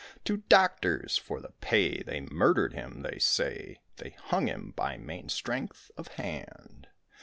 Two doctors for the pay they murdered him, they say, They hung him by main strength of hand.